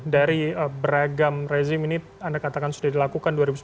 dari beragam rezim ini anda katakan sudah dilakukan